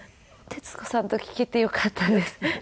徹子さんと聴けてよかったです。